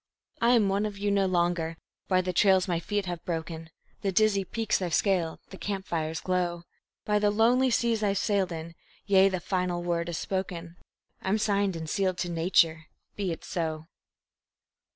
I am one of you no longer; by the trails my feet have broken, The dizzy peaks I've scaled, the camp fire's glow; By the lonely seas I've sailed in yea, the final word is spoken, I am signed and sealed to nature. Be it so.